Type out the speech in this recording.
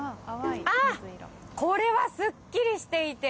ああ、これはすっきりしていて。